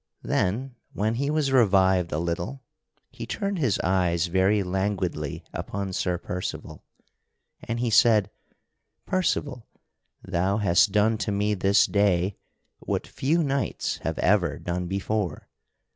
Then, when he was revived a little, he turned his eyes very languidly upon Sir Percival, and he said: "Percival, thou hast done to me this day what few knights have ever done before.